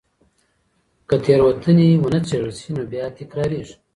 که تېروتنې ونه څېړل سي نو بيا تکرارېږي.